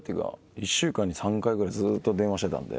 １週間に３回ぐらいずうっと電話してたんで。